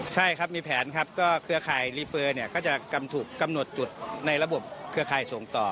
ใช่ครับมีแผนครับก็เครือข่ายรีเฟอร์เนี่ยก็จะถูกกำหนดจุดในระบบเครือข่ายส่งต่อ